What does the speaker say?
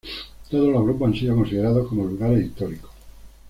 Todos los grupos han sido considerados como lugares históricos.